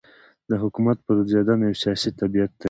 د حکومت پرځېدنه یو سیاسي طبیعت دی.